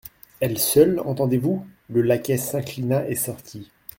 Elle seule, entendez-vous ? Le laquais s'inclina et sortit.